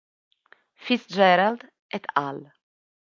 Fitzgerald "et al.